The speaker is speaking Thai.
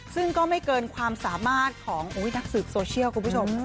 ซึ่งก็ไม่เกินความสามารถของนักสืบโซเชียลคุณผู้ชม